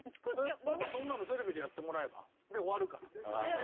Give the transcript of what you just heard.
「パパそんなのテレビでやってもらえば？」で終わるから。